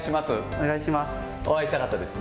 お願いします。